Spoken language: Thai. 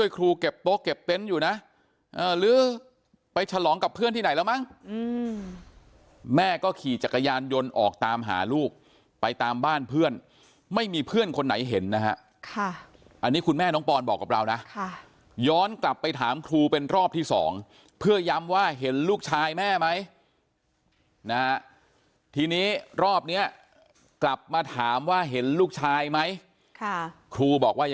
ครูเก็บโต๊ะเก็บเต็นต์อยู่นะหรือไปฉลองกับเพื่อนที่ไหนแล้วมั้งแม่ก็ขี่จักรยานยนต์ออกตามหาลูกไปตามบ้านเพื่อนไม่มีเพื่อนคนไหนเห็นนะฮะอันนี้คุณแม่น้องปอนบอกกับเรานะย้อนกลับไปถามครูเป็นรอบที่สองเพื่อย้ำว่าเห็นลูกชายแม่ไหมนะฮะทีนี้รอบเนี้ยกลับมาถามว่าเห็นลูกชายไหมครูบอกว่า